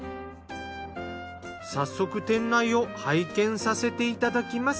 早速店内を拝見させていただきます。